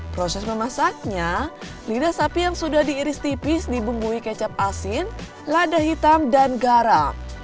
proses memasaknya lidah sapi yang sudah diiris tipis dibumbui kecap asin lada hitam dan garam